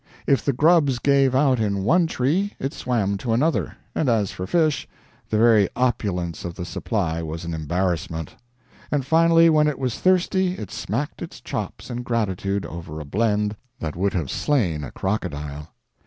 If the grubs gave out in one tree it swam to another; and as for fish, the very opulence of the supply was an embarrassment. And finally, when it was thirsty it smacked its chops in gratitude over a blend that would have slain a crocodile.